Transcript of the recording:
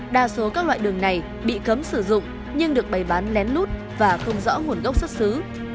đa số các loại đường này bị cấm sử dụng nhưng được bày bán lén lút và không rõ nguồn gốc xuất xứ